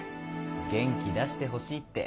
元気出してほしいって。